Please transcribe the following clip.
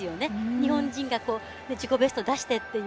日本人が自己ベスト出してっていう。